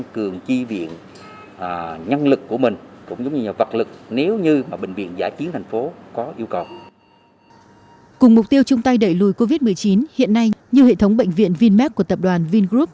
cùng mục tiêu chung tay đẩy lùi covid một mươi chín hiện nay như hệ thống bệnh viện vinmec của tập đoàn vingroup